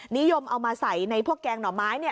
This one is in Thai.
นิยมเอามาใส่ในพวกแกงหน่อไม้